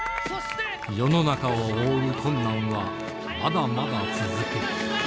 世の中を覆う困難はまだまだ続く。